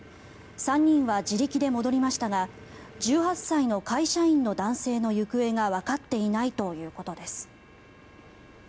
３人は自力で戻りましたが１８歳の会社員の男性の行方がわかっていないということです。